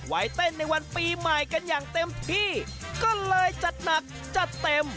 ไว้เต้นในวันปีใหม่กันอย่างเต็มที่ก็เลยจัดหนักจัดเต็ม